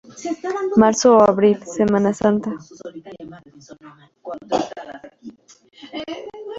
Marzo o abril Semana Santa.